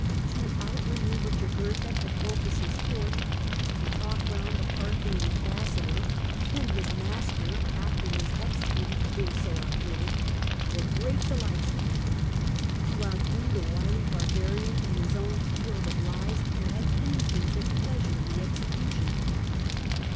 To ont manoenvre Jugurtha at Bocchns's court, to talk round the Parthian ambassador (whom his master afterwards executed for being so outwitted), were great delights to him. To outdo the wily barbarian in his own field of lies had an intrinsic pleasure in the execution.